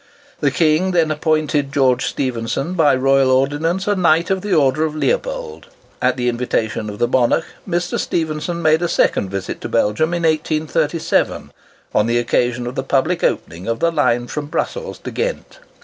The King then appointed George Stephenson by royal ordinance a Knight of the Order of Leopold. At the invitation of the monarch, Mr. Stephenson made a second visit to Belgium in 1837, on the occasion of the public opening of the line from Brussels to Ghent.